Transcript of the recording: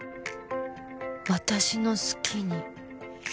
私の好きに